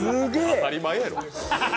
当たり前やろう。